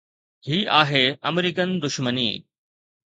هي آهي آمريڪن دشمني.